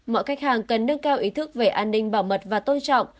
mọi khách hàng cần nâng cao ý thức về an ninh bảo mật và tôn trọng